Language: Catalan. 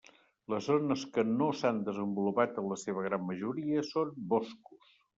Les zones que no s'han desenvolupat en la seva gran majoria són boscos.